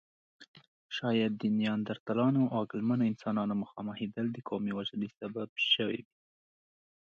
شاید د نیاندرتالانو او عقلمنو انسانانو مخامخېدل د قومي وژنې سبب شوې وي.